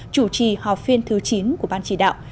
chủ trì họp phiên thứ chín của ban chỉ đạo